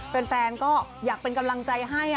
แฟนก็อยากเป็นกำลังใจให้